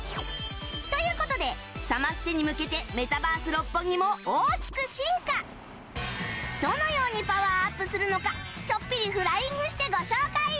という事でサマステに向けてメタバース六本木もどのようにパワーアップするのかちょっぴりフライングしてご紹介！